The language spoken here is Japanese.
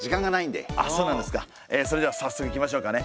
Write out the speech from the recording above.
それでは早速いきましょうかね。